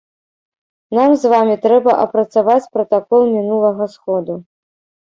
Нам з вамі трэба апрацаваць пратакол мінулага сходу.